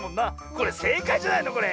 これせいかいじゃないのこれ？